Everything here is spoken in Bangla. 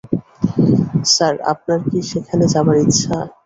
স্যার, আপনার কি সেখানে যাবার ইচ্ছা?